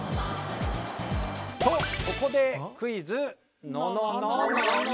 とここでクイズ。